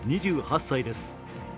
２８歳です。